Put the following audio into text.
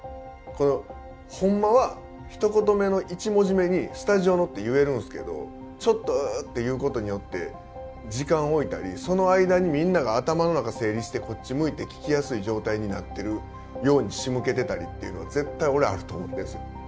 このホンマはひと言目の１文字目に「スタジオの」って言えるんすけどちょっと「うう」って言うことによって時間置いたりその間にみんなが頭の中整理してこっち向いて聞きやすい状態になってるように仕向けてたりっていうのは絶対俺あると思ってんすよ。